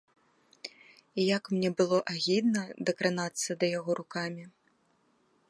Як мне было агідна дакранацца да яго рукамі.